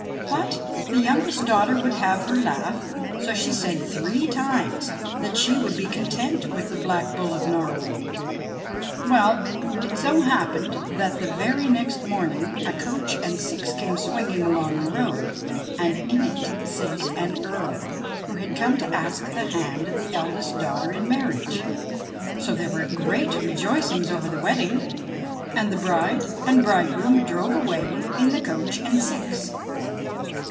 But the youngest daughter would have her laugh, so she said three times that she would be content with the Black Bull of Norroway. Well ! It so happened that the very next morning a coach and six came swinging along the road, and in it sate an Earl who had come to ask the hand of the eldest daughter in marriage. So there were great rejoicings over the wedding, and the bride and bridegroom drove away in the coach and six.